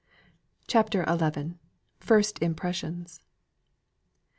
CHAPTER XI. FIRST IMPRESSIONS.